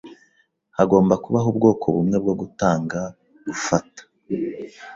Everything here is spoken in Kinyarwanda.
Hagomba kubaho ubwoko bumwe bwo gutanga-gufata.